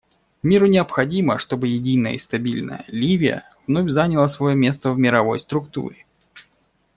Миру необходимо, чтобы единая и стабильная Ливия вновь заняла свое место в мировой структуре.